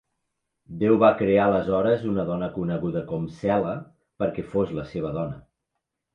Déu va crear aleshores una dona coneguda com Sela perquè fos la seva dona.